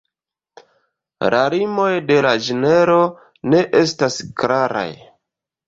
La limoj de la ĝenro ne estas klaraj.